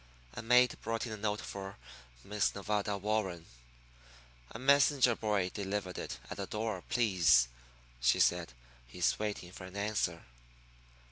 A maid brought in a note for Miss Nevada Warren. "A messenger boy delivered it at the door, please," she said. "He's waiting for an answer."